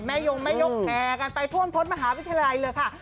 ยงแม่ยกแห่กันไปท่วมทศมหาวิทยาลัยเลยค่ะ